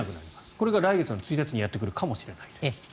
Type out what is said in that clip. これが来月１日にやってくるかもしれないと。